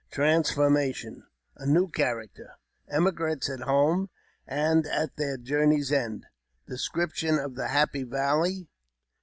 — Transformation. — A new Character. — Emigrant's at home and at their Journey's End. — Description of the Happy Valley.